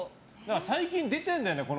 最近、出てるんだよね